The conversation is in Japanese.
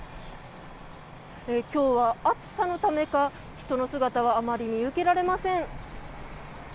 今日は暑さのためか人の姿はあまり見受けられません。